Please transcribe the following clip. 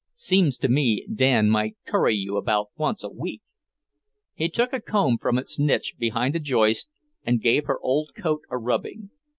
Seems to me Dan might curry you about once a week!" He took a comb from its niche behind a joist and gave her old coat a rubbing.